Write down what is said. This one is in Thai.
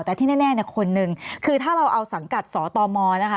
แต่ที่แน่เนี่ยคนหนึ่งคือถ้าเราเอาสังกัดสตมนะคะ